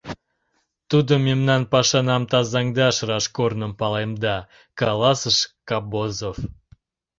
Тудо мемнан пашанам тазаҥдаш раш корным палемда, — каласыш Кобозов.